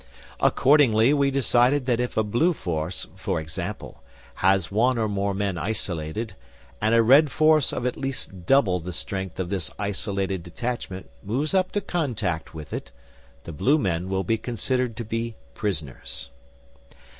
Accordingly we decided that if a blue force, for example, has one or more men isolated, and a red force of at least double the strength of this isolated detachment moves up to contact with it, the blue men will be considered to be prisoners.